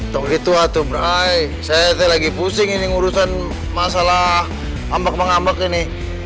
tunggu itu hatu berai saya lagi pusing ini ngurusan masalah ngambek mengambek ini